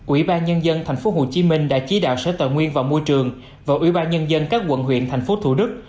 ủy ban nhân dân tp hcm đã chỉ đạo sở tòa nguyên và môi trường và ủy ban nhân dân các quận huyện tp thủ đức